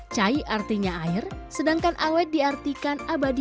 cai artinya air sedangkan awet diartikan abadi